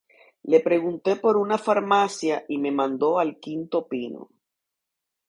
Le pregunté por una farmacia y me mandó al quinto pino